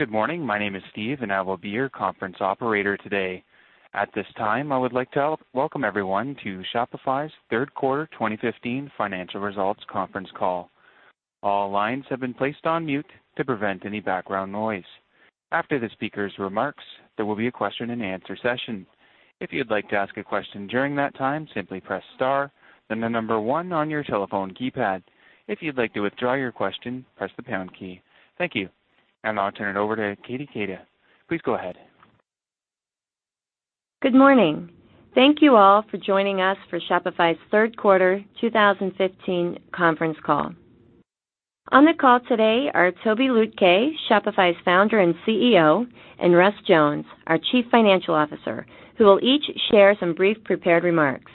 Good morning. My name is Steve. I will be your conference operator today. At this time, I would like to welcome everyone to Shopify's third quarter 2015 financial results conference call. All lines have been placed on mute to prevent any background noise. After the speaker's remarks, there will be a question and answer session. If you'd like to ask a question during that time, simply press star, then the number one on your telephone keypad. If you'd like to withdraw your question, press the pound key. Thank you. I'll turn it over to Katie Keita Please go ahead. Good morning. Thank you all for joining us for Shopify's third quarter 2015 conference call. On the call today are Tobi Lütke, Shopify's Founder and CEO, and Russ Jones, our Chief Financial Officer, who will each share some brief prepared remarks.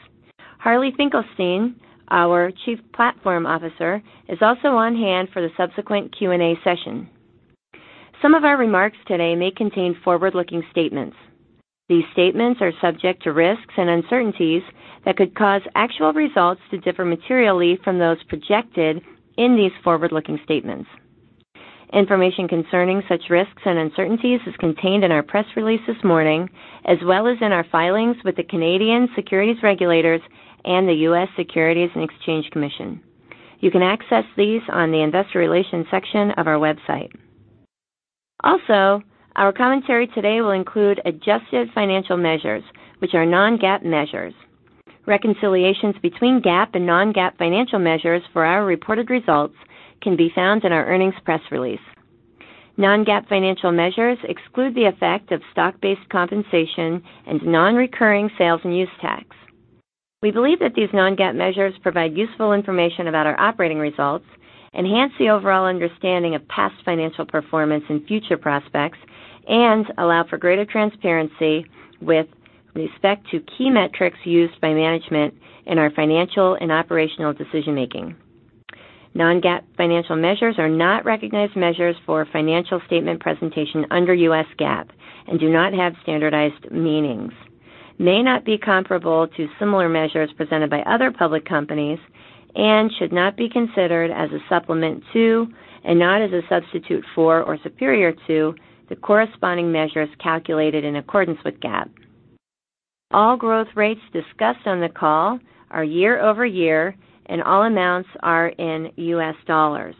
Harley Finkelstein, our Chief Platform Officer, is also on hand for the subsequent Q&A session. Some of our remarks today may contain forward-looking statements. These statements are subject to risks and uncertainties that could cause actual results to differ materially from those projected in these forward-looking statements. Information concerning such risks and uncertainties is contained in our press release this morning, as well as in our filings with the Canadian Securities Administrators and the U.S. Securities and Exchange Commission. You can access these on the investor relations section of our website. Also, our commentary today will include adjusted financial measures, which are non-GAAP measures. Reconciliations between GAAP and non-GAAP financial measures for our reported results can be found in our earnings press release. Non-GAAP financial measures exclude the effect of stock-based compensation and non-recurring sales and use tax. We believe that these non-GAAP measures provide useful information about our operating results, enhance the overall understanding of past financial performance and future prospects, and allow for greater transparency with respect to key metrics used by management in our financial and operational decision-making. Non-GAAP financial measures are not recognized measures for financial statement presentation under US GAAP and do not have standardized meanings, may not be comparable to similar measures presented by other public companies, and should not be considered as a supplement to, and not as a substitute for or superior to, the corresponding measures calculated in accordance with GAAP. All growth rates discussed on the call are year-over-year, and all amounts are in U.S. dollars.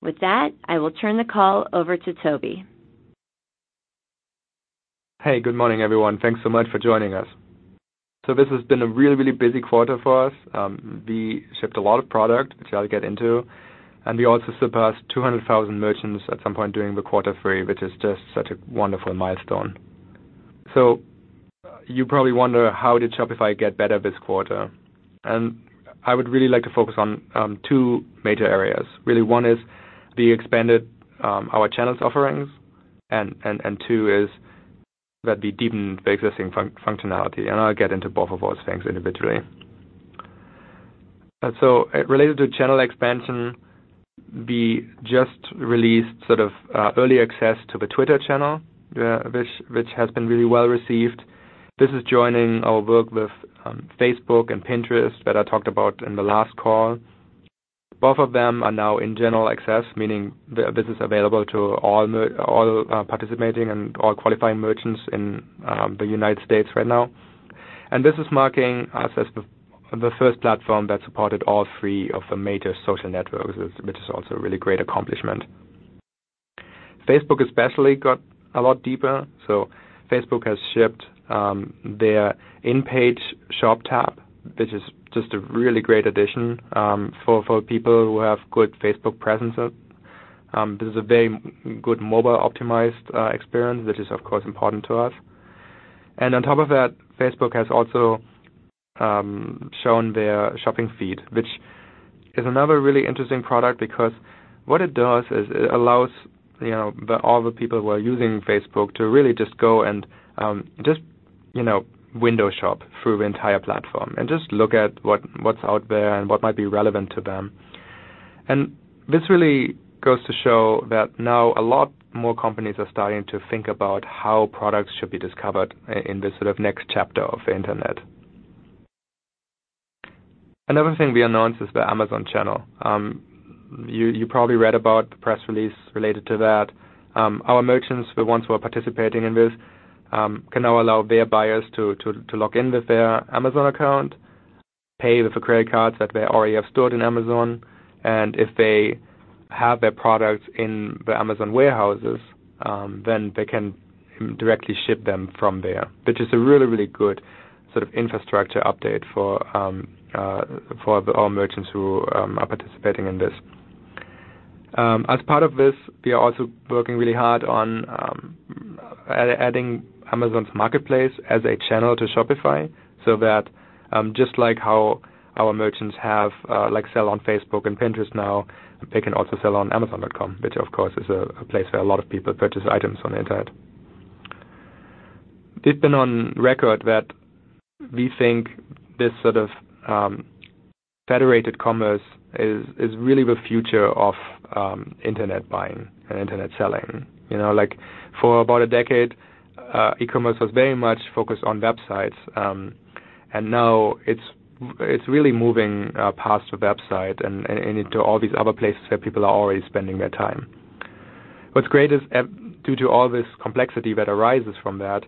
With that, I will turn the call over to Tobi. Hey, good morning, everyone. Thanks so much for joining us. This has been a really, really busy quarter for us. We shipped a lot of product, which I'll get into, and we also surpassed 200,000 merchants at some point during the quarter three, which is just such a wonderful milestone. You probably wonder, how did Shopify get better this quarter? I would really like to focus on two major areas. Really, one is we expanded our channels offerings, and two is that we deepened the existing functionality, and I'll get into both of those things individually. Related to channel expansion, we just released sort of early access to the Twitter channel, which has been really well-received. This is joining our work with Facebook and Pinterest that I talked about in the last call. Both of them are now in general access, meaning this is available to all participating and all qualifying merchants in the U.S. right now. This is marking us as the first platform that supported all three of the major social networks, which is also a really great accomplishment. Facebook especially got a lot deeper, so Facebook has shipped their in-page shop tab, which is just a really great addition for people who have good Facebook presence. This is a very good mobile-optimized experience, which is, of course, important to us. On top of that, Facebook has also shown their shopping feed, which is another really interesting product because what it does is it allows, you know, all the people who are using Facebook to really just go and just, you know, window shop through the entire platform and just look at what's out there and what might be relevant to them. This really goes to show that now a lot more companies are starting to think about how products should be discovered in this sort of next chapter of the Internet. Another thing we announced is the Amazon channel. You probably read about the press release related to that. Our merchants, the ones who are participating in this, can now allow their buyers to log in with their Amazon account, pay with the credit cards that they already have stored in Amazon, and if they have their products in the Amazon warehouses, then they can directly ship them from there, which is a really, really good sort of infrastructure update for our merchants who are participating in this. As part of this, we are also working really hard on adding Amazon's Marketplace as a channel to Shopify so that just like how our merchants have like sell on Facebook and Pinterest now, they can also sell on amazon.com, which of course, is a place where a lot of people purchase items on the Internet. We've been on record that we think this sort of federated commerce is really the future of internet buying and internet selling. You know, like for about a decade, e-commerce was very much focused on websites. Now it's really moving past the website and into all these other places where people are already spending their time. What's great is due to all this complexity that arises from that,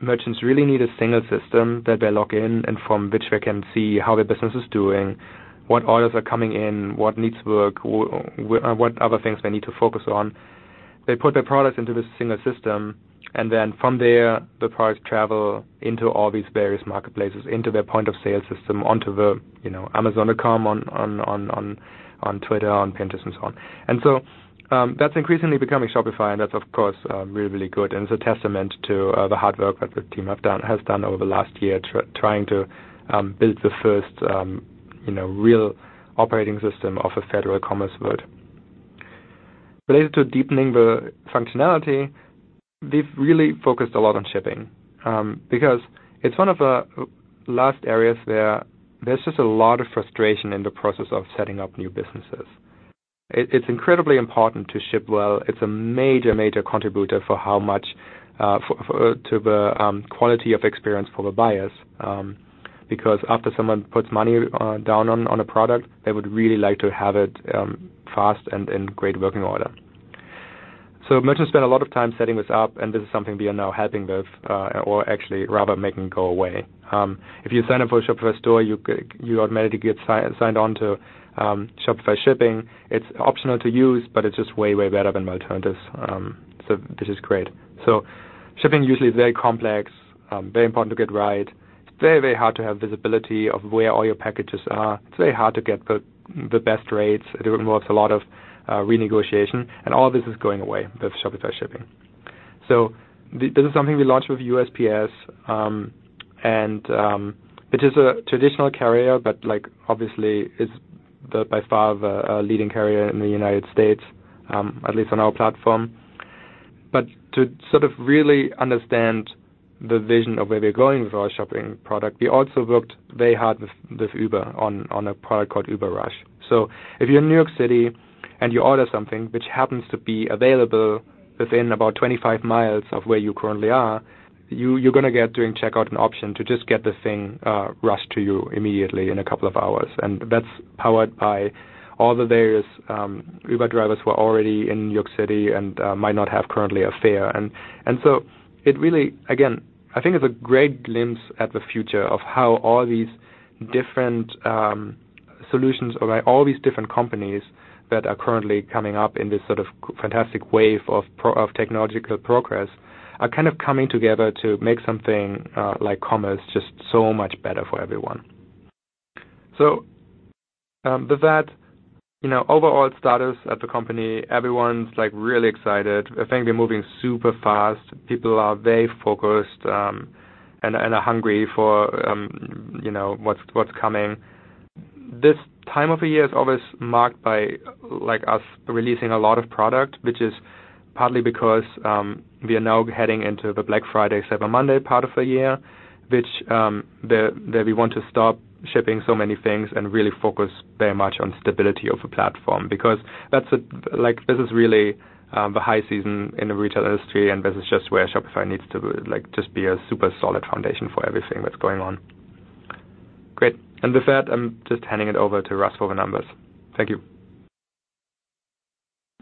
merchants really need a single system that they log in and from which they can see how their business is doing, what orders are coming in, what needs work, what other things they need to focus on. They put their products into this single system. Then from there, the products travel into all these various marketplaces, into their point-of-sale system, onto the, you know, Amazon.com, on Twitter, on Pinterest and so on. That's increasingly becoming Shopify, and that's of course, really, really good, and it's a testament to the hard work that the team has done over the last year trying to build the first, you know, real operating system of a federated commerce world. Related to deepening the functionality, we've really focused a lot on shipping because it's one of the last areas where there's just a lot of frustration in the process of setting up new businesses. It's incredibly important to ship well. It's a major contributor for how much to the quality of experience for the buyers. Because after someone puts money down on a product, they would really like to have it fast and in great working order. Merchants spend a lot of time setting this up, and this is something we are now helping with, or actually rather making go away. If you sign up for a Shopify store, you automatically get signed on to Shopify Shipping. It's optional to use, but it's just way better than alternatives. This is great. Shipping usually is very complex, very important to get right. It's very hard to have visibility of where all your packages are. It's very hard to get the best rates. It involves a lot of renegotiation, and all this is going away with Shopify Shipping. This is something we launched with USPS. It is a traditional carrier, but like obviously it's the by far the leading carrier in the United States, at least on our platform. To sort of really understand the vision of where we're going with our shipping product, we also worked very hard with Uber on a product called UberRUSH. If you're in New York City and you order something which happens to be available within about 25 miles of where you currently are, you're gonna get during checkout an option to just get the thing rushed to you immediately in a couple of hours, and that's powered by all the various Uber drivers who are already in New York City and might not have currently a fare. It really, again, I think it's a great glimpse at the future of how all these different solutions or by all these different companies that are currently coming up in this sort of fantastic wave of technological progress, are kind of coming together to make something like commerce just so much better for everyone. With that, you know, overall status at the company, everyone's like really excited. I think we're moving super fast. People are very focused, and are hungry for, you know, what's coming. This time of the year is always marked by like us releasing a lot of product, which is partly because we are now heading into the Black Friday, Cyber Monday part of the year, which that we want to stop shipping so many things and really focus very much on stability of the platform because that's a, like this is really the high season in the retail industry, and this is just where Shopify needs to, like just be a super solid foundation for everything that's going on. Great. With that, I'm just handing it over to Russ for the numbers. Thank you.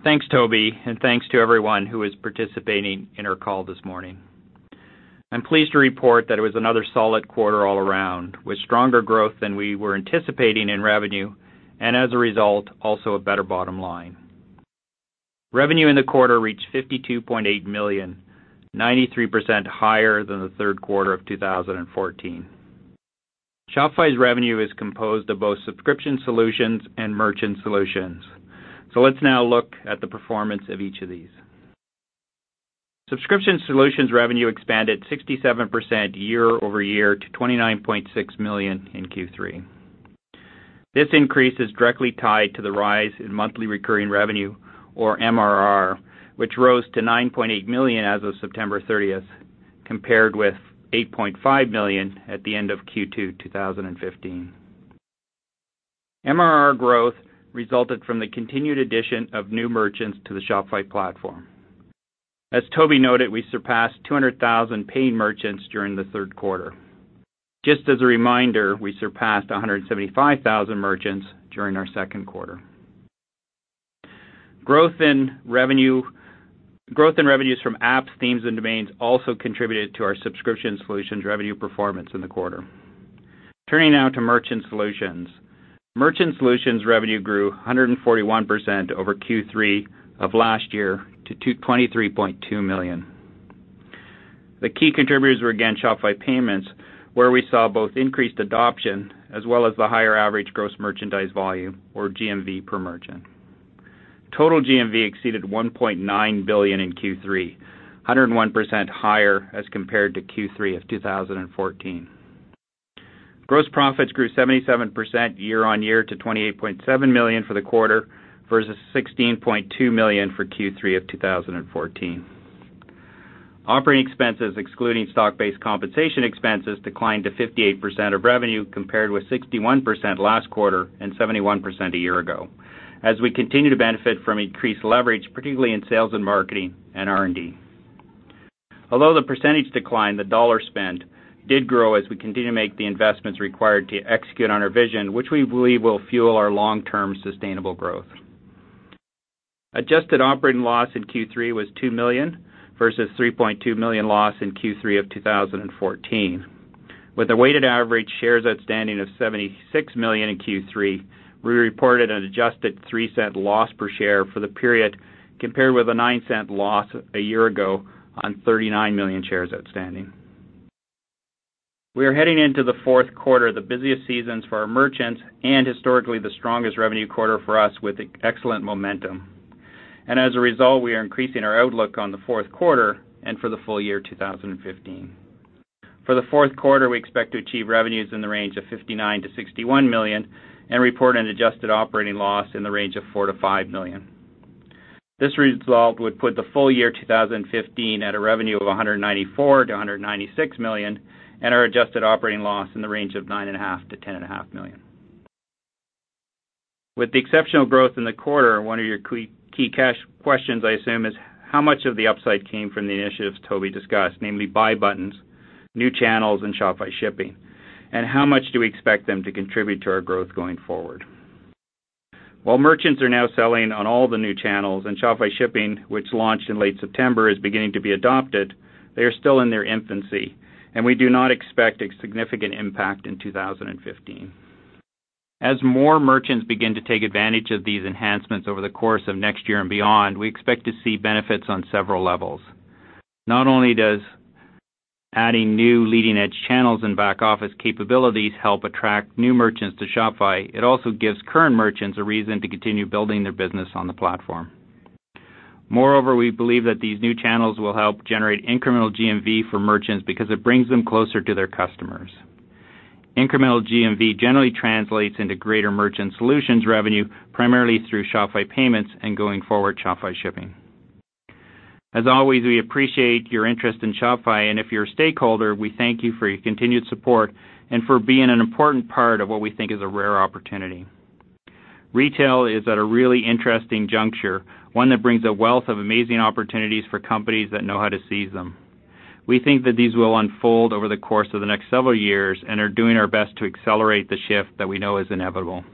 Thanks, Tobi. Thanks to everyone who is participating in our call this morning. I'm pleased to report that it was another solid quarter all around, with stronger growth than we were anticipating in revenue, as a result, also a better bottom line. Revenue in the quarter reached $52.8 million, 93% higher than the third quarter of 2014. Shopify's revenue is composed of both subscription solutions and merchant solutions. Let's now look at the performance of each of these. Subscription solutions revenue expanded 67% year-over-year to $29.6 million in Q3. This increase is directly tied to the rise in monthly recurring revenue or MRR, which rose to $9.8 million as of September 30th, compared with $8.5 million at the end of Q2 2015. MRR growth resulted from the continued addition of new merchants to the Shopify platform. As Tobi noted, we surpassed 200,000 paying merchants during the third quarter. Just as a reminder, we surpassed 175,000 merchants during our second quarter. Growth in revenue, growth in revenues from apps, themes, and domains also contributed to our subscription solutions revenue performance in the quarter. Turning now to merchant solutions. Merchant solutions revenue grew 141% over Q3 of last year to $23.2 million. The key contributors were again Shopify Payments, where we saw both increased adoption as well as the higher average gross merchandise volume or GMV per merchant. Total GMV exceeded $1.9 billion in Q3, 101% higher as compared to Q3 of 2014. Gross profits grew 77% year-on-year to $28.7 million for the quarter versus $16.2 million for Q3 of 2014. Operating expenses excluding stock-based compensation expenses declined to 58% of revenue compared with 61% last quarter and 71% a year ago. As we continue to benefit from increased leverage, particularly in sales and marketing and R&D. Although the percentage declined, the dollar spend did grow as we continue to make the investments required to execute on our vision, which we believe will fuel our long-term sustainable growth. Adjusted operating loss in Q3 was $2 million, versus $3.2 million loss in Q3 of 2014. With the weighted average shares outstanding of 76 million in Q3, we reported an adjusted $0.03 loss per share for the period, compared with a $0.09 loss a year ago on 39 million shares outstanding. We are heading into Q4, the busiest seasons for our merchants and historically the strongest revenue quarter for us with excellent momentum. As a result, we are increasing our outlook on Q4 and for the full year 2015. For Q4, we expect to achieve revenues in the range of $59 million-$61 million and report an adjusted operating loss in the range of $4 million-$5 million. This result would put the full year 2015 at a revenue of $194 million-$196 million and our adjusted operating loss in the range of $9.5 million-$10.5 million. With the exceptional growth in the quarter, one of your key cash questions I assume is how much of the upside came from the initiatives Tobi discussed, namely buy buttons, new channels and Shopify Shipping, and how much do we expect them to contribute to our growth going forward? While merchants are now selling on all the new channels and Shopify Shipping, which launched in late September, is beginning to be adopted, they are still in their infancy, and we do not expect a significant impact in 2015. As more merchants begin to take advantage of these enhancements over the course of next year and beyond, we expect to see benefits on several levels. Not only does adding new leading-edge channels and back office capabilities help attract new merchants to Shopify, it also gives current merchants a reason to continue building their business on the platform. Moreover, we believe that these new channels will help generate incremental GMV for merchants because it brings them closer to their customers. Incremental GMV generally translates into greater merchant solutions revenue, primarily through Shopify Payments and going forward, Shopify Shipping. As always, we appreciate your interest in Shopify, and if you're a stakeholder, we thank you for your continued support and for being an important part of what we think is a rare opportunity. Retail is at a really interesting juncture, one that brings a wealth of amazing opportunities for companies that know how to seize them. We think that these will unfold over the course of the next several years and are doing our best to accelerate the shift that we know is inevitable.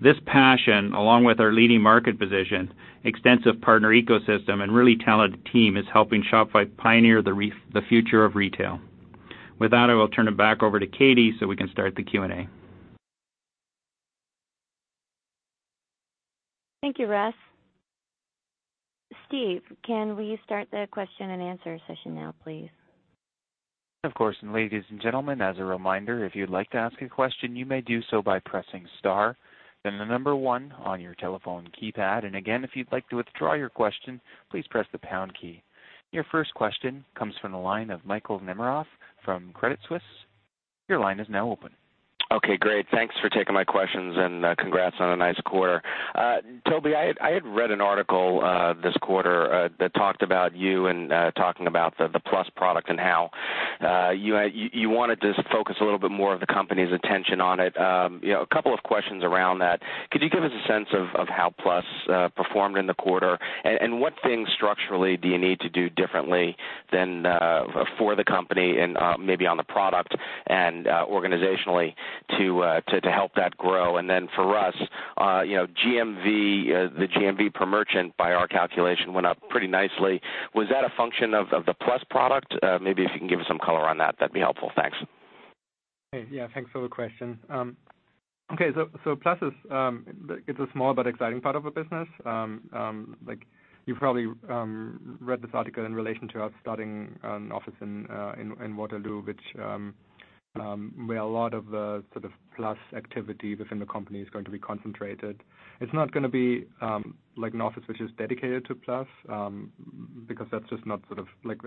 This passion, along with our leading market position, extensive partner ecosystem, and really talented team, is helping Shopify pioneer the future of retail. With that, I will turn it back over to Katie so we can start the Q&A. Thank you, Russ. Steve, can we start the question and answer session now, please? Of course. Ladies and gentlemen, as a reminder, if you'd like to ask a question, you may do so by pressing star, then number one on your telephone keypad. Again, if you'd like to withdraw your question, please press the pound key. Your first question comes from the line of Michael Nemeroff from Credit Suisse. Your line is now open. Okay, great. Thanks for taking my questions and congrats on a nice quarter. Tobi, I had read an article this quarter that talked about you and talking about the Plus product and how you wanted to focus a little bit more of the company's attention on it. You know, a couple of questions around that. Could you give us a sense of how Plus performed in the quarter? What things structurally do you need to do differently than for the company and maybe on the product and organizationally to help that grow? For Russ, you know, GMV, the GMV per merchant, by our calculation, went up pretty nicely. Was that a function of the Plus product? Maybe if you can give us some color on that'd be helpful. Thanks. Yeah. Thanks for the question. Okay. Plus is a small but exciting part of the business. Like you probably read this article in relation to us starting an office in Waterloo, which where a lot of the sort of Plus activity within the company is going to be concentrated. It's not gonna be like an office which is dedicated to Plus, because that's just not sort of like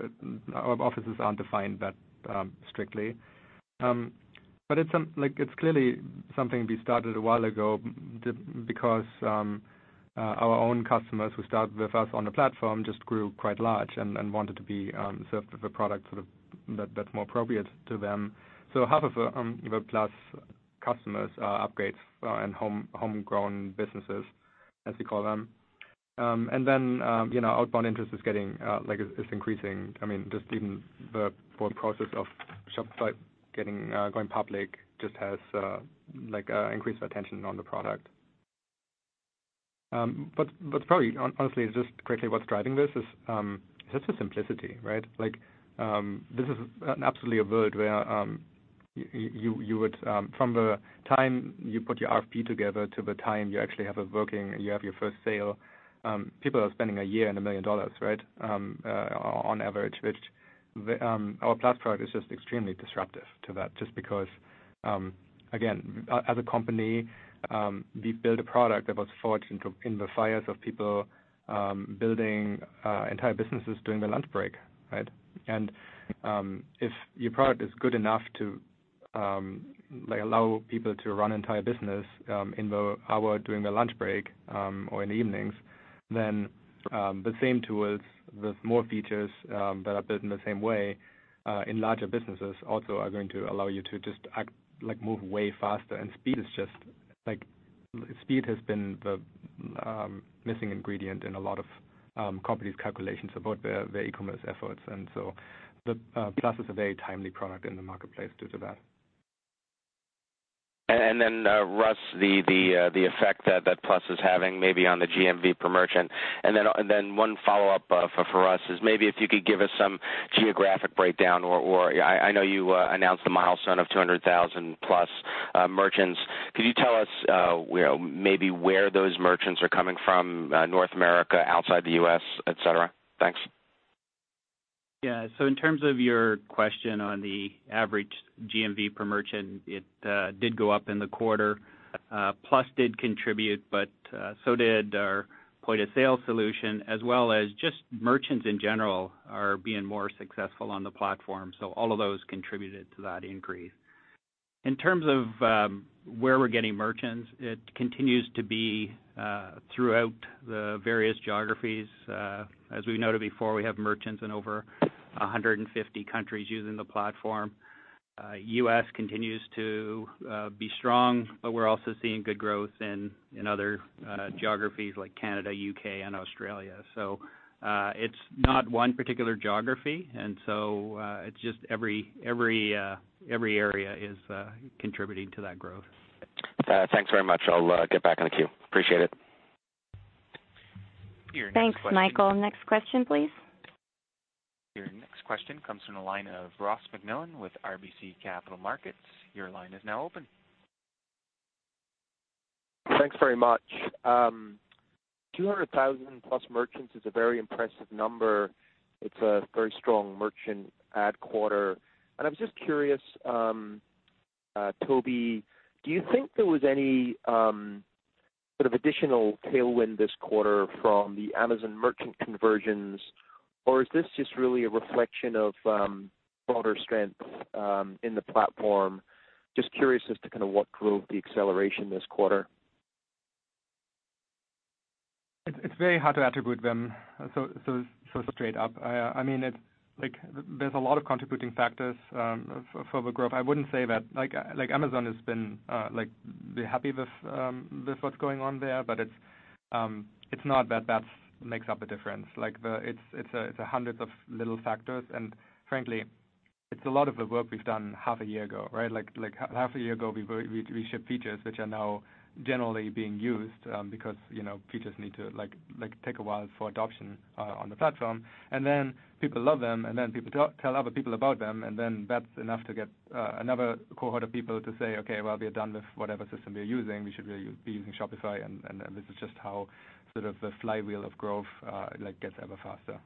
our offices aren't defined that strictly. But like it's clearly something we started a while ago because our own customers who started with us on the platform just grew quite large and wanted to be served with a product sort of that's more appropriate to them. Half of, you know, Plus customers are upgrades and homegrown businesses, as we call them. You know, outbound interest is getting like it's increasing. I mean, just even the whole process of Shopify getting going public just has like increased our attention on the product. Probably honestly, just quickly, what's driving this is just the simplicity, right? Like, this is absolutely a world where you would, from the time you put your RFP together to the time you actually have it working and you have your first sale, people are spending a year and $1 million, right, on average, which, the, our Plus product is just extremely disruptive to that just because, again, as a company, we built a product that was forged into, in the fires of people, building entire businesses during their lunch break, right? If your product is good enough to, like, allow people to run entire business in the hour during their lunch break, or in the evenings, then the same tools with more features that are built in the same way in larger businesses also are going to allow you to just Like move way faster. Speed is just like, speed has been the missing ingredient in a lot of companies' calculations about their e-commerce efforts. The Plus is a very timely product in the marketplace due to that. Then, Russ, the effect that Plus is having maybe on the GMV per merchant. Then one follow-up for us is maybe if you could give us some geographic breakdown or I know you announced the milestone of 200,000 plus merchants. Could you tell us, you know, maybe where those merchants are coming from, North America, outside the U.S., et cetera? Thanks. Yeah. In terms of your question on the average GMV per merchant, it did go up in the quarter. Plus did contribute, so did our point-of-sale solution as well as just merchants in general are being more successful on the platform. All of those contributed to that increase. In terms of where we're getting merchants, it continues to be throughout the various geographies. As we noted before, we have merchants in over 150 countries using the platform. U.S. continues to be strong, we're also seeing good growth in other geographies like Canada, U.K., and Australia. It's not one particular geography, it's just every area is contributing to that growth. Thanks very much. I'll get back in the queue. Appreciate it. Your next question. Thanks, Michael. Next question, please. Your next question comes from the line of Ross MacMillan with RBC Capital Markets. Your line is now open. Thanks very much. 200,000 plus merchants is a very impressive number. It's a very strong merchant add quarter. I was just curious, Tobi, do you think there was any sort of additional tailwind this quarter from the Amazon merchant conversions, or is this just really a reflection of broader strength in the platform? Just curious as to kinda what drove the acceleration this quarter. It's very hard to attribute them so straight up. I mean, it's like there's a lot of contributing factors for the growth. I wouldn't say that like Amazon has been like very happy with what's going on there, but it's not that that makes up a difference. It's a hundreds of little factors, frankly, it's a lot of the work we've done half a year ago, right? Like half a year ago, we shipped features which are now generally being used, because, you know, features need to like take a while for adoption on the platform. People love them, and then people tell other people about them, and then that's enough to get another cohort of people to say, "Okay, well, we are done with whatever system we are using. We should really be using Shopify." This is just how sort of the flywheel of growth, like gets ever faster.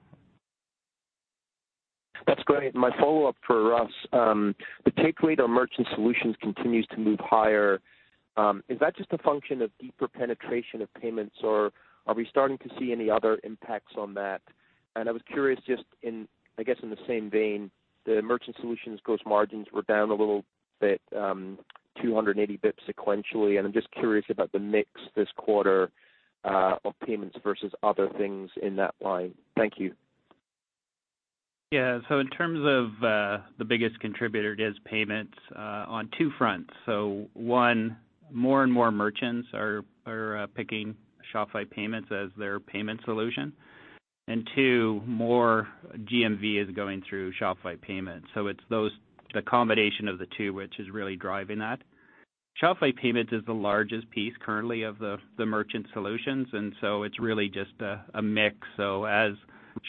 That's great. My follow-up for Russ. The take rate on merchant solutions continues to move higher. Is that just a function of deeper penetration of payments, or are we starting to see any other impacts on that? I was curious just in, I guess in the same vein, the merchant solutions gross margins were down a little bit, 280 basis points sequentially, and I'm just curious about the mix this quarter of payments versus other things in that line. Thank you. Yeah. In terms of the biggest contributor, it is Shopify Payments on two fronts. one, more and more merchants are picking Shopify Payments as their payment solution. Two, more GMV is going through Shopify Payments. It's those, the combination of the two which is really driving that. Shopify Payments is the largest piece currently of the merchant solutions, and so it's really just a mix. As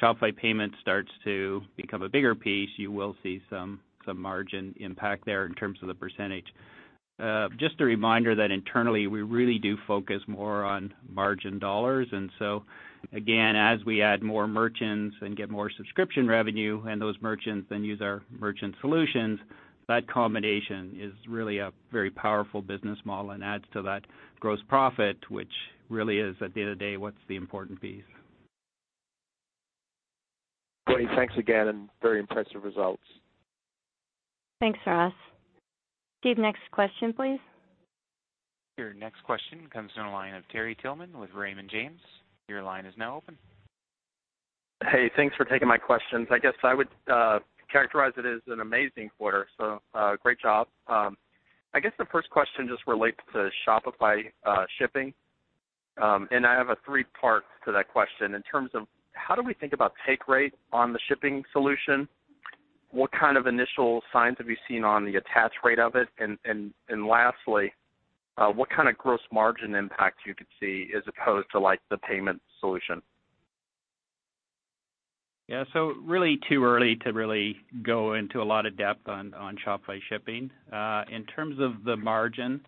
Shopify Payments starts to become a bigger piece, you will see some margin impact there in terms of the percentage. Just a reminder that internally, we really do focus more on margin dollars. Again, as we add more merchants and get more subscription revenue and those merchants then use our merchant solutions, that combination is really a very powerful business model and adds to that gross profit, which really is at the end of the day what's the important piece. Great. Thanks again. Very impressive results. Thanks, Ross. Steve, next question, please. Your next question comes from the line of Terry Tillman with Raymond James. Your line is now open. Hey, thanks for taking my questions. I guess I would characterize it as an amazing quarter, so great job. I guess the first question just relates to Shopify Shipping. I have a three part to that question. In terms of how do we think about take rate on the shipping solution? What kind of initial signs have you seen on the attach rate of it? Lastly, what kind of gross margin impact you could see as opposed to like the payment solution? Yeah. Really too early to really go into a lot of depth on Shopify Shipping. In terms of the margin,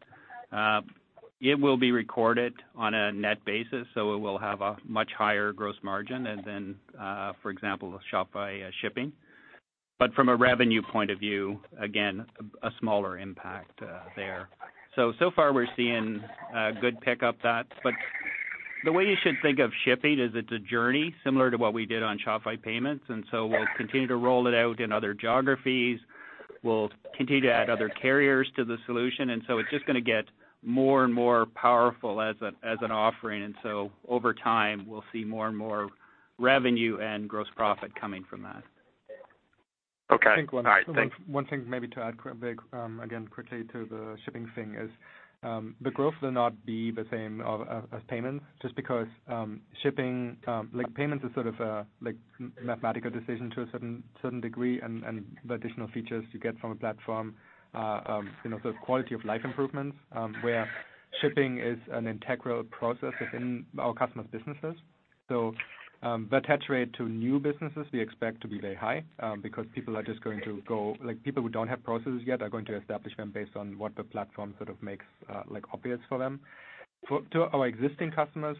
it will be recorded on a net basis, so it will have a much higher gross margin and then, for example, Shopify Shipping. From a revenue point of view, again, a smaller impact there. So far we're seeing a good pickup that. The way you should think of shipping is it's a journey similar to what we did on Shopify Payments, and so we'll continue to roll it out in other geographies. We'll continue to add other carriers to the solution, and so it's just gonna get more and more powerful as an offering. Over time, we'll see more and more revenue and gross profit coming from that. Okay. All right. Thanks. I think one thing maybe to add quickly to the shipping thing is, the growth will not be the same as payments just because shipping, like payments is sort of a mathematical decision to a certain degree and the additional features you get from a platform, you know, so quality of life improvements, where shipping is an integral process within our customers' businesses. The attach rate to new businesses we expect to be very high, because people are just going to go. People who don't have processes yet are going to establish them based on what the platform sort of makes like obvious for them. To our existing customers,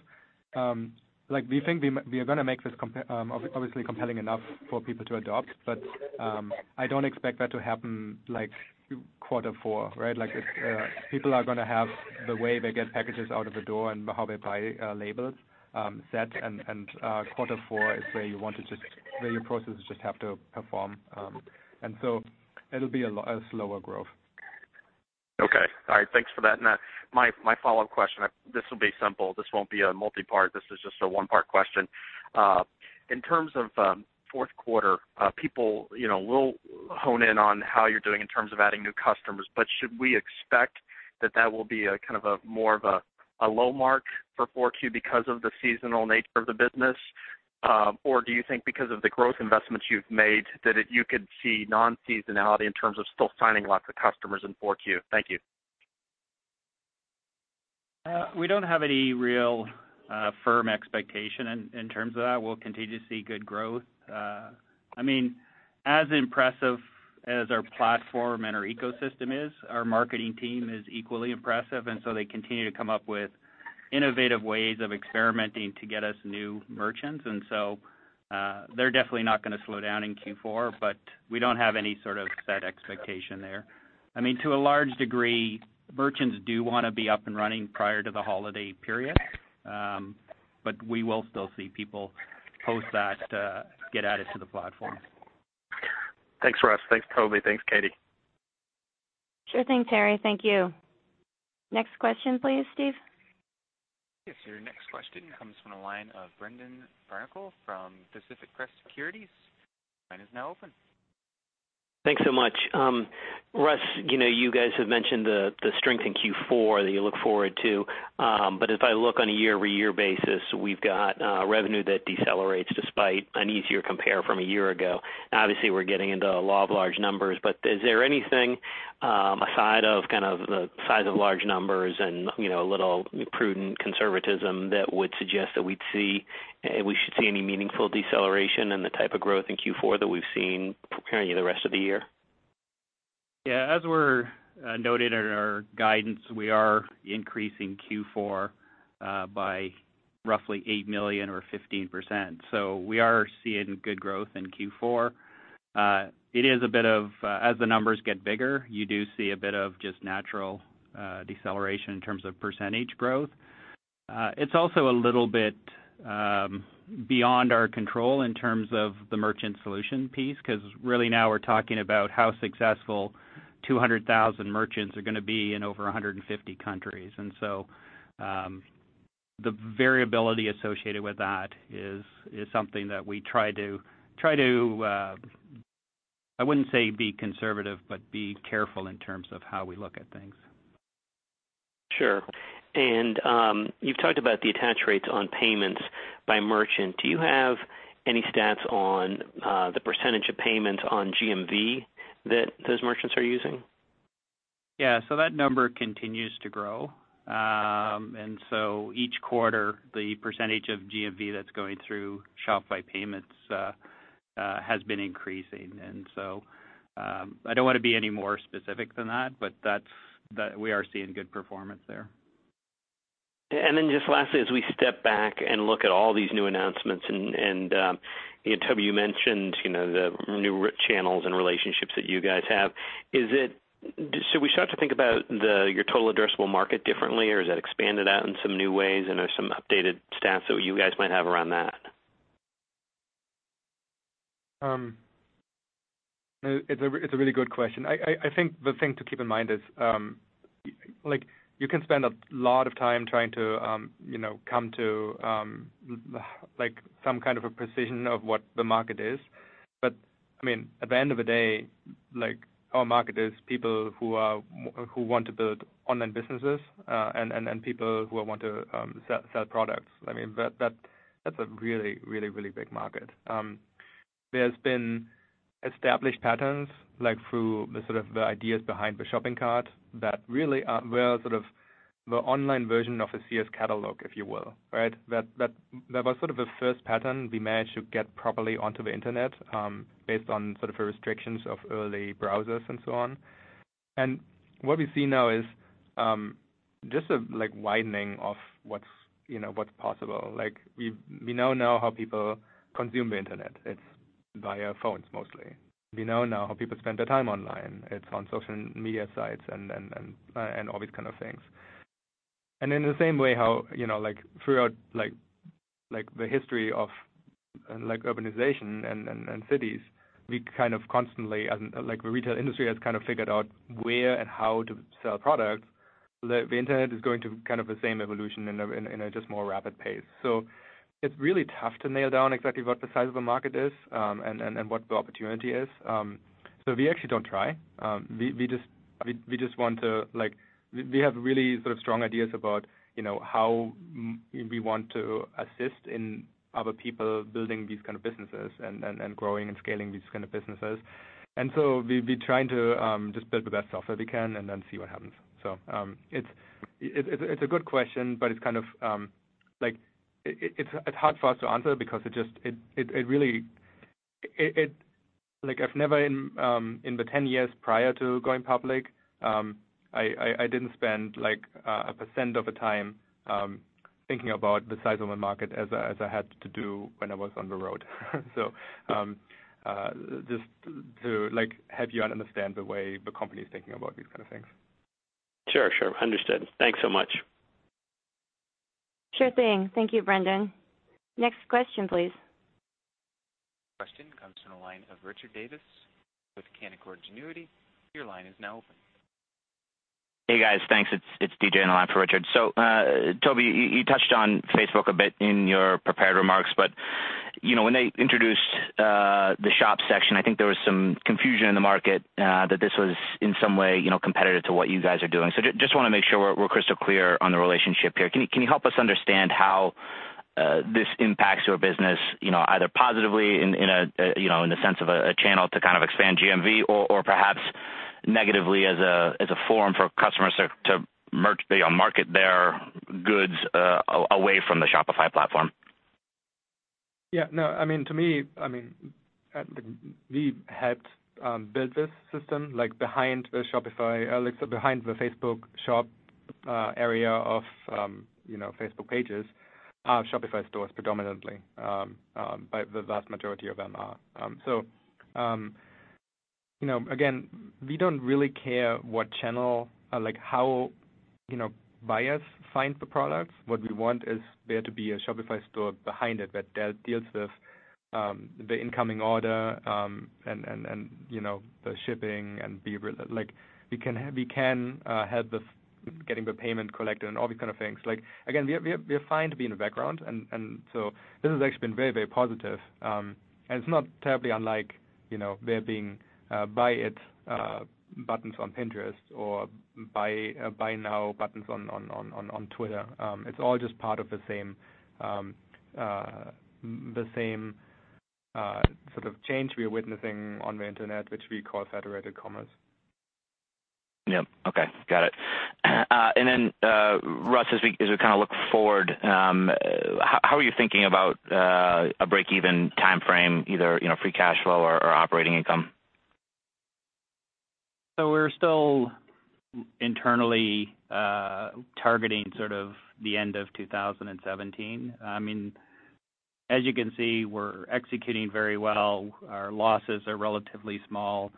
like we think we are gonna make this obviously compelling enough for people to adopt, but I don't expect that to happen like quarter four, right? Like people are gonna have the way they get packages out of the door and how they buy labels set, and quarter four is where you want to where your processes just have to perform. It'll be a slower growth. Okay. All right. Thanks for that. My follow-up question, this will be simple. This won't be a multi-part. This is just a one-part question. In terms of fourth quarter, people, you know, will hone in on how you're doing in terms of adding new customers, should we expect that that will be a kind of a more of a low mark for 4Q because of the seasonal nature of the business? Do you think because of the growth investments you've made, that you could see non-seasonality in terms of still signing lots of customers in 4Q? Thank you. We don't have any real firm expectation in terms of that. We'll continue to see good growth. I mean, as impressive as our platform and our ecosystem is, our marketing team is equally impressive, they continue to come up with innovative ways of experimenting to get us new merchants. They're definitely not gonna slow down in Q4, but we don't have any sort of set expectation there. I mean, to a large degree, merchants do wanna be up and running prior to the holiday period. But we will still see people post that get added to the platform. Thanks, Russ. Thanks, Tobi. Thanks, Katie. Sure thing, Terry. Thank you. Next question, please, Steve. Yes, your next question comes from the line of Brendan Barnicle from Pacific Crest Securities. Line is now open. Thanks so much. Russ, you know, you guys have mentioned the strength in Q4 that you look forward to. If I look on a year-over-year basis, we've got revenue that decelerates despite an easier compare from a year ago. Obviously, we're getting into law of large numbers, but is there anything aside of kind of the size of large numbers and, you know, a little prudent conservatism that would suggest that we'd see, we should see any meaningful deceleration in the type of growth in Q4 that we've seen preparing you the rest of the year? Yeah, as we're noted in our guidance, we are increasing Q4 by roughly $8 million or 15%. We are seeing good growth in Q4. It is a bit of as the numbers get bigger, you do see a bit of just natural deceleration in terms of percentage growth. It's also a little bit beyond our control in terms of the merchant solution piece, 'cause really now we're talking about how successful 200,000 merchants are gonna be in over 150 countries. The variability associated with that is something that we try to, I wouldn't say be conservative, but be careful in terms of how we look at things. Sure. You've talked about the attach rates on payments by merchant. Do you have any stats on the percentage of payments on GMV that those merchants are using? Yeah. That number continues to grow. Each quarter, the percentage of GMV that's going through Shopify Payments has been increasing. I don't wanna be any more specific than that, but That we are seeing good performance there. Just lastly, as we step back and look at all these new announcements and, you know, Tobi, you mentioned, you know, the new channels and relationships that you guys have. Should we start to think about your total addressable market differently, or is that expanded out in some new ways and are some updated stats that you guys might have around that? It's a really good question. I think the thing to keep in mind is, like you can spend a lot of time trying to, you know, come to, like some kind of a precision of what the market is. I mean, at the end of the day, like our market is people who want to build online businesses, and people who want to sell products. I mean, that's a really big market. There's been established patterns, like through the sort of the ideas behind the shopping cart that really were sort of the online version of a Sears catalog, if you will, right? That was sort of a first pattern we managed to get properly onto the internet, based on sort of the restrictions of early browsers and so on. What we see now is just a like widening of what's, you know, what's possible. Like we now know how people consume the internet. It's via phones mostly. We know now how people spend their time online. It's on social media sites and all these kind of things. In the same way how, you know, like throughout the history of like urbanization and cities, we kind of constantly and the retail industry has kind of figured out where and how to sell products. The internet is going through kind of the same evolution and in a just more rapid pace. It's really tough to nail down exactly what the size of the market is, and what the opportunity is. We actually don't try. We just want to, like, we have really sort of strong ideas about, you know, how we want to assist in other people building these kind of businesses and growing and scaling these kind of businesses. We're trying to just build the best software we can and then see what happens. It's a good question, but it's kind of, like, it's hard for us to answer because it really. Like, I've never in the 10 years prior to going public, I didn't spend, like, a percent of the time, thinking about the size of the market as I had to do when I was on the road. Just to, like, help you understand the way the company's thinking about these kind of things. Sure, sure. Understood. Thanks so much. Sure thing. Thank you, Brendan. Next question, please. Question comes from the line of Richard Davis with Canaccord Genuity. Your line is now open. Hey, guys. Thanks. It's DJ on the line for Richard. Tobi, you touched on Facebook a bit in your prepared remarks, but, you know, when they introduced the shop section, I think there was some confusion in the market that this was, in some way, you know, competitive to what you guys are doing. Just wanna make sure we're crystal clear on the relationship here. Can you help us understand how this impacts your business, you know, either positively in a, you know, in the sense of a channel to kind of expand GMV or perhaps negatively as a, as a forum for customers to market their goods away from the Shopify platform? Yeah, no, I mean, to me, I mean, we helped build this system, like behind the Shopify, like, so behind the Facebook shop area of, you know, Facebook pages, Shopify stores predominantly. The vast majority of them are. You know, again, we don't really care what channel, like how, you know, buyers find the products. What we want is there to be a Shopify store behind it that deals with the incoming order, and, you know, the shipping and like, we can help with getting the payment collected and all these kind of things. Like, again, we are fine to be in the background and so this has actually been very, very positive. It's not terribly unlike, you know, there being, buy it, buttons on Pinterest or buy now buttons on Twitter. It's all just part of the same, the same, sort of change we are witnessing on the internet, which we call federated commerce. Yeah. Okay. Got it. Russ, as we kind of look forward, how are you thinking about a break-even timeframe, either, you know, free cash flow or operating income? We're still internally targeting sort of the end of 2017. I mean, as you can see, we're executing very well. Our losses are relatively small.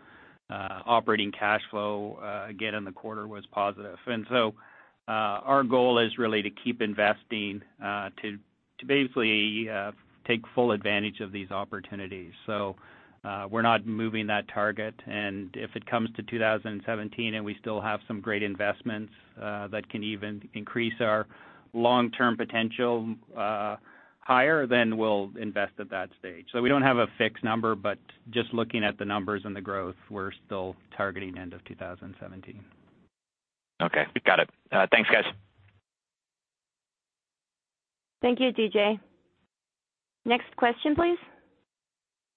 Operating cash flow again in the quarter was positive. Our goal is really to keep investing to basically take full advantage of these opportunities. We're not moving that target, and if it comes to 2017 and we still have some great investments that can even increase our long-term potential higher, then we'll invest at that stage. We don't have a fixed number, but just looking at the numbers and the growth, we're still targeting end of 2017. Okay. Got it. Thanks, guys. Thank you, DJ. Next question, please.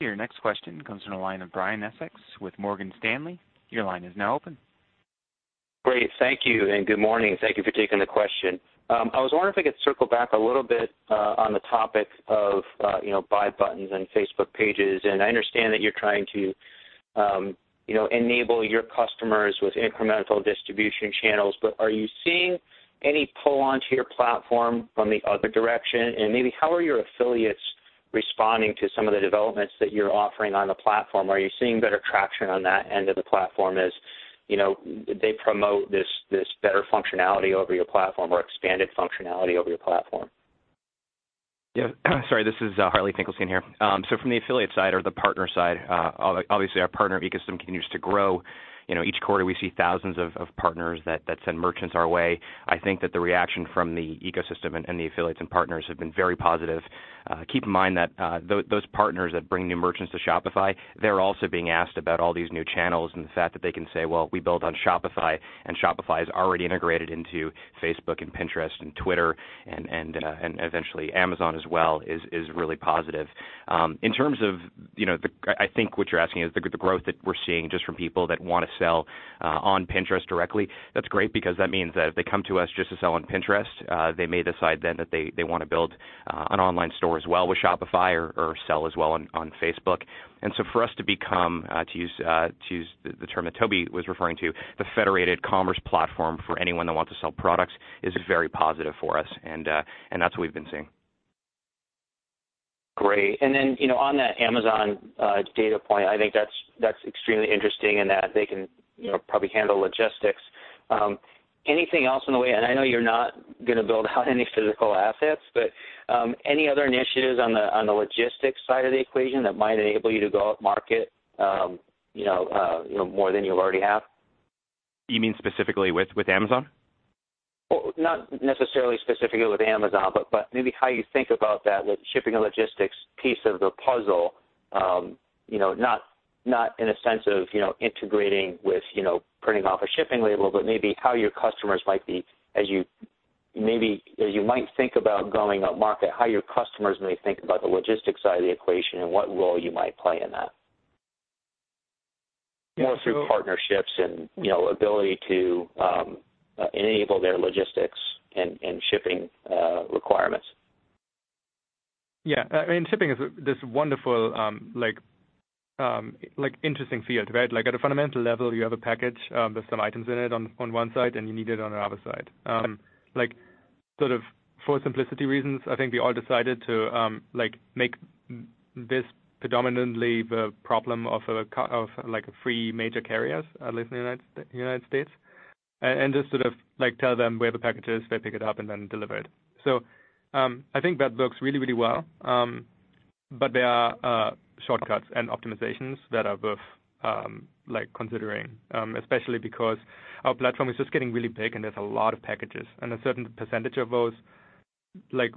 Your next question comes from the line of Brian Essex with Morgan Stanley. Your line is now open. Great. Thank you. Good morning. Thank you for taking the question. I was wondering if I could circle back a little bit on the topic of, you know, buy buttons and Facebook pages. I understand that you're trying to, you know, enable your customers with incremental distribution channels, but are you seeing any pull onto your platform from the other direction? Maybe how are your affiliates responding to some of the developments that you're offering on the platform? Are you seeing better traction on that end of the platform as, you know, they promote this better functionality over your platform or expanded functionality over your platform? This is Harley Finkelstein here. From the affiliate side or the partner side, obviously, our partner ecosystem continues to grow. You know, each quarter we see thousands of partners that send merchants our way. I think that the reaction from the ecosystem and the affiliates and partners have been very positive. Keep in mind that those partners that bring new merchants to Shopify, they're also being asked about all these new channels and the fact that they can say, "Well, we built on Shopify, and Shopify is already integrated into Facebook and Pinterest and Twitter and eventually Amazon as well," is really positive. In terms of, you know, I think what you're asking is the growth that we're seeing just from people that want to sell on Pinterest directly. That's great because that means that if they come to us just to sell on Pinterest, they may decide then that they wanna build an online store as well with Shopify or sell as well on Facebook. For us to become to use the term that Tobi was referring to, the federated commerce platform for anyone that wants to sell products, is very positive for us and that's what we've been seeing. Great. You know, on that Amazon data point, I think that's extremely interesting in that they can, you know, probably handle logistics. Anything else in the way-I know you're not gonna build out any physical assets, but any other initiatives on the logistics side of the equation that might enable you to go upmarket, you know, more than you already have? You mean specifically with Amazon? Not necessarily specifically with Amazon, but maybe how you think about that with shipping and logistics piece of the puzzle. You know, not in a sense of integrating with printing off a shipping label, but maybe how your customers might be as you might think about going upmarket, how your customers may think about the logistics side of the equation and what role you might play in that. Yeah, so- More through partnerships and, you know, ability to enable their logistics and shipping requirements. I mean, shipping is this wonderful, like interesting field, right? At a fundamental level, you have a package with some items in it on one side, and you need it on the other side. Sort of for simplicity reasons, I think we all decided to like make this predominantly the problem of three major carriers, at least in the United States. Just sort of tell them where the package is, they pick it up and then deliver it. I think that works really well. There are shortcuts and optimizations that are worth like considering, especially because our platform is just getting really big and there's a lot of packages. A certain percentage of those, like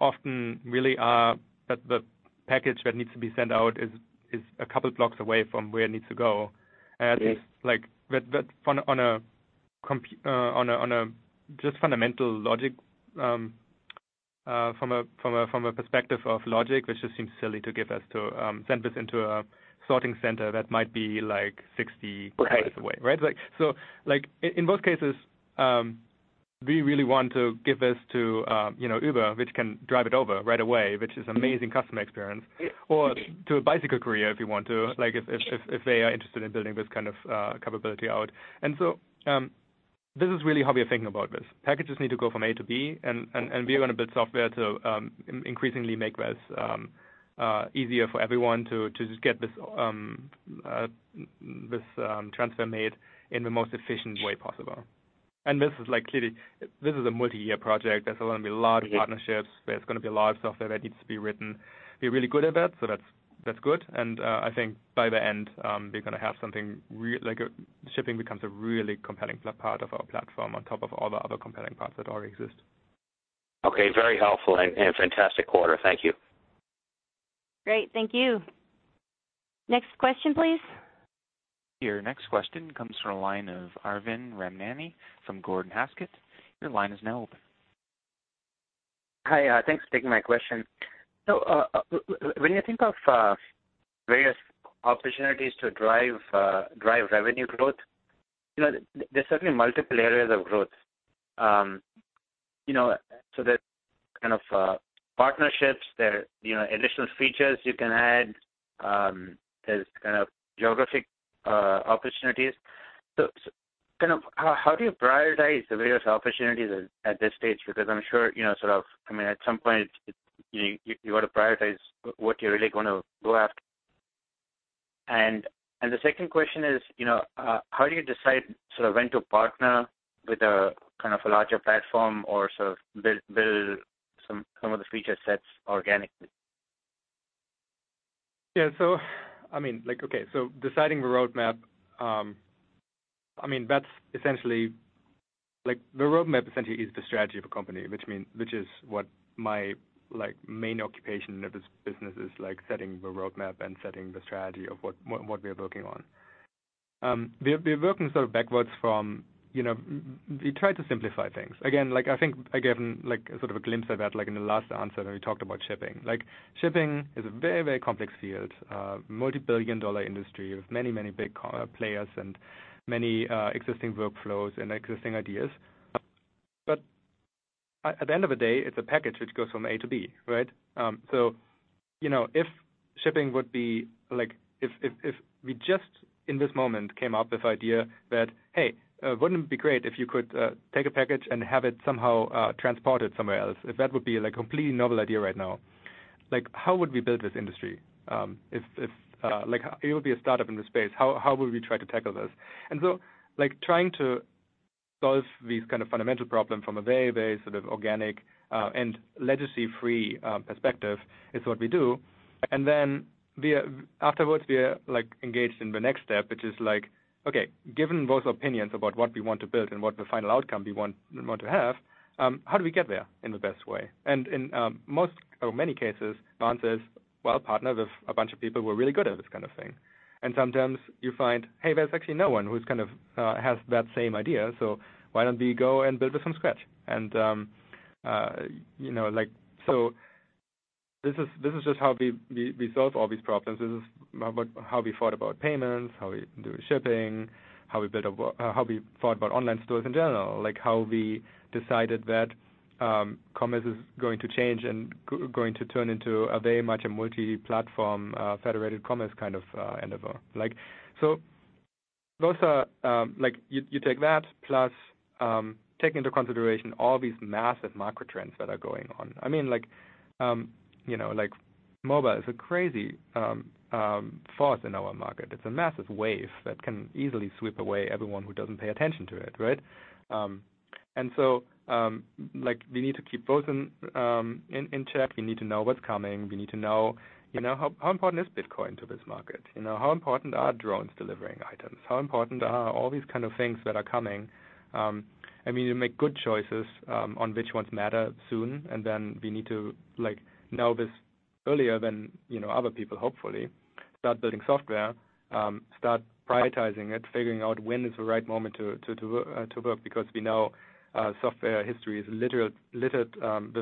often really are the package that needs to be sent out is a couple blocks away from where it needs to go. Yeah. Like that on a just fundamental logic, from a perspective of logic, it just seems silly to give this to send this into a sorting center that might be like 60 miles away. Right. Right? In most cases, we really want to give this to, you know, Uber, which can drive it over right away, which is amazing customer experience. Yeah. to a bicycle courier if you want to. Sure. Like if they are interested in building this kind of capability out. This is really how we are thinking about this. Packages need to go from A to B and we are gonna build software to increasingly make this easier for everyone to just get this transfer made in the most efficient way possible. This is like clearly, this is a multi-year project. There's gonna be large partnerships. Yeah. There's gonna be a lot of software that needs to be written. We're really good at that, so that's good. I think by the end, we're gonna have something like a, shipping becomes a really compelling part of our platform on top of all the other compelling parts that already exist. Okay. Very helpful and fantastic quarter. Thank you. Great. Thank you. Next question, please. Your next question comes from the line of Arvind Ramnani from Gordon Haskett. Your line is now open. Hi. Thanks for taking my question. When you think of various opportunities to drive revenue growth, you know, there's certainly multiple areas of growth. You know, there's kind of partnerships. There are, you know, additional features you can add. There's kind of geographic opportunities. Kind of how do you prioritize the various opportunities at this stage? I'm sure, you know, sort of, I mean, at some point it's you gotta prioritize what you're really gonna go after. The second question is, you know, how do you decide sort of when to partner with a kind of a larger platform or sort of build some of the feature sets organically? Yeah. I mean, like, okay. Deciding the roadmap, I mean, that's essentially like the roadmap essentially is the strategy of a company, which is what my like main occupation of this business is, like setting the roadmap and setting the strategy of what we are working on. We have been working sort of backwards from, you know, we try to simplify things. Again, like, I think I gave like sort of a glimpse of that, like in the last answer when we talked about shipping. Like shipping is a very complex field, a multi-billion dollar industry with many big players and many existing workflows and existing ideas. At the end of the day, it's a package which goes from A to B, right? You know, if shipping would be like if we just in this moment came up with idea that, hey, wouldn't it be great if you could take a package and have it somehow transported somewhere else? If that would be like a completely novel idea right now. Like, how would we build this industry, if, like it would be a startup in the space, how would we try to tackle this? Like, trying to solve these kind of fundamental problem from a very sort of organic, and legacy free, perspective is what we do. Afterwards, we are like engaged in the next step, which is like, okay, given those opinions about what we want to build and what the final outcome we want, we want to have, how do we get there in the best way? In most or many cases, the answer is, well, partner with a bunch of people who are really good at this kind of thing. Sometimes you find, hey, there's actually no one who's kind of has that same idea, so why don't we go and build this from scratch? You know, like so this is just how we solve all these problems. This is how we thought about payments, how we do shipping, how we thought about online stores in general. How we decided that commerce is going to change and going to turn into a very much a multi-platform, federated commerce kind of endeavor. Those are, you take that plus, take into consideration all these massive macro trends that are going on. I mean, you know, mobile is a crazy force in our market. It's a massive wave that can easily sweep away everyone who doesn't pay attention to it, right? We need to keep both in check. We need to know what's coming. We need to know, you know, how important is Bitcoin to this market? You know, how important are drones delivering items? How important are all these kind of things that are coming? I mean, you make good choices on which ones matter soon, we need to, like, know this earlier than, you know, other people, hopefully. Start building software, start prioritizing it, figuring out when is the right moment to work, to work, because we know software history is littered with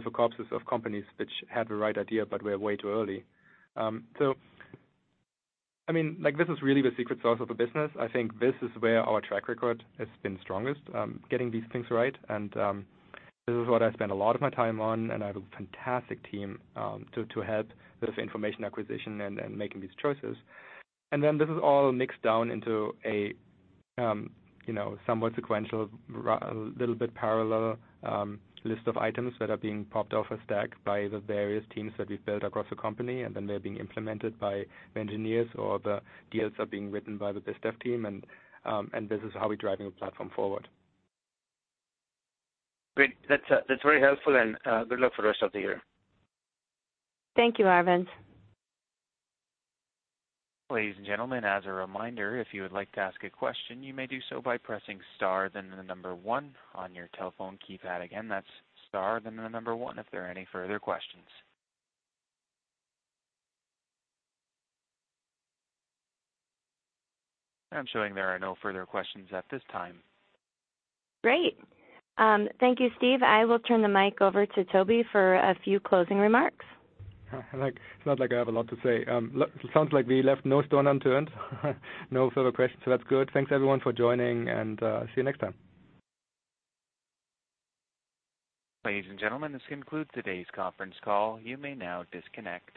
the corpses of companies which had the right idea but were way too early. I mean, like, this is really the secret sauce of the business. I think this is where our track record has been strongest, getting these things right. This is what I spend a lot of my time on, and I have a fantastic team to help with information acquisition and making these choices. This is all mixed down into a, you know, somewhat sequential, a little bit parallel, list of items that are being popped off a stack by the various teams that we've built across the company, and then they're being implemented by the engineers or the deals are being written by the BizDev team and this is how we're driving the platform forward. Great. That's very helpful and, good luck for the rest of the year. Thank you, Arvind. Ladies and gentlemen, as a reminder, if you would like to ask a question, you may do so by pressing star then the number one on your telephone keypad. Again, that's star then the number one, if there are any further questions. I'm showing there are no further questions at this time. Great. Thank you, Steve. I will turn the mic over to Tobi for a few closing remarks. It's not like I have a lot to say. Sounds like we left no stone unturned. No further questions, that's good. Thanks everyone for joining and see you next time. Ladies and gentlemen, this concludes today's conference call. You may now disconnect.